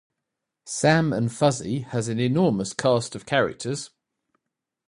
"Sam and Fuzzy" has an enormous cast of characters.